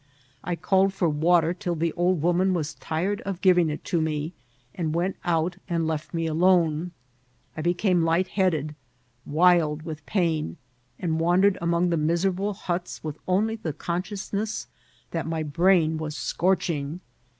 I called for water till the old woman was tired of giving it to me, and w^QLt out and left me alone. I became lig^thead ed| wild with pain, and wandered among the miserable huts with only the consciousness that my brain was sc<Nrching.